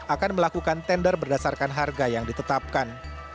akan melakukan tender berdasarkan harga yang ditetapkan